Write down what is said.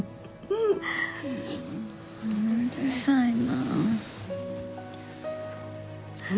うるさいなあ。